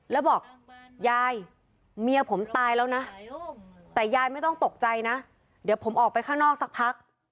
แล้วบอกยายเมียผมตายแล้วนะแต่ยายไม่ต้องตกใจนะเดี๋ยวผมออกไปข้างนอกสักพัก